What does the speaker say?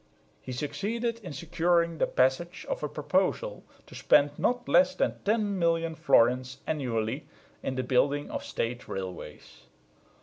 He succeeded in securing the passage of a proposal to spend not less than 10 million florins annually in the building of State railways.